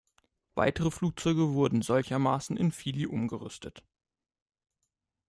Weitere Flugzeuge wurden solchermaßen in Fili umgerüstet.